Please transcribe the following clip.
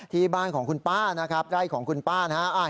ที่บ้านของคุณป้านะครับไร่ของคุณป้านะฮะ